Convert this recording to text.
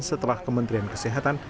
setelah kementerian kesehatan